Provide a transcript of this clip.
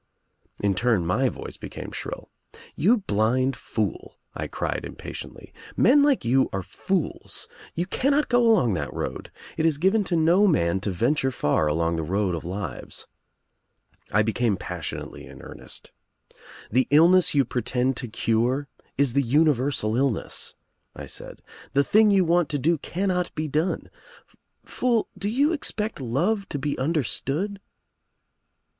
In turn my voice became shrill. "You blind fool," I cried impatiently. "Men like you are fools. You cannot go along that road. It is given to no man to venture far along the road of lives." I became passionately in earnest. "The illness you pretend to cure is the universal illness," I said. "The thing you want to do cannot be done. Fool — do you expect love to be understood?"